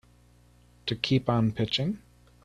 To keep on pitching.